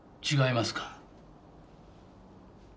違いますか？